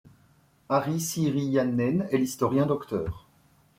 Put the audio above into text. Ari Siiriäinen et l'historien Dr.